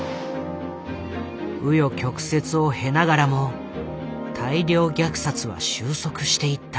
紆余曲折を経ながらも大量虐殺は収束していった。